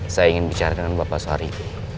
saya ingin bicara dengan bapak sehari ini